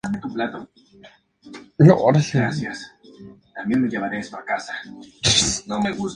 Se informó que el explosivo fue empaquetado con excrementos humanos.